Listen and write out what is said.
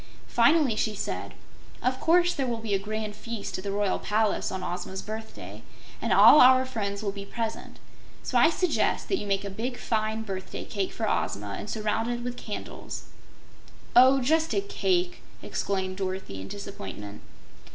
Finally she said: "Of course there will be a grand feast at the Royal Palace on Ozma's birthday, and all our friends will be present. So I suggest that you make a fine big birthday cake of Ozma, and surround it with candles." "Oh, just a CAKE!" exclaimed Dorothy, in disappointment.